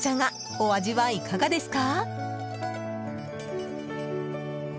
お味はいかがですか？